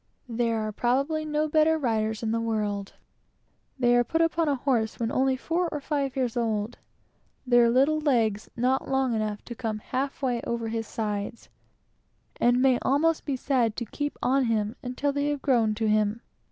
There are probably no better riders in the world. They get upon a horse when only four or five years old, their little legs not long enough to come half way over his sides; and may almost be said to keep on him until they have grown to him.